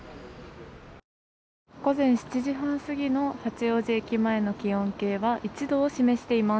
午前７時半過ぎの八王子駅前の気温計は１度を示しています。